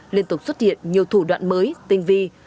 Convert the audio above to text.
liên tục xuất hiện nhiều thủ đoạn mới tinh vi